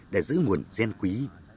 để giữ nguồn gian quý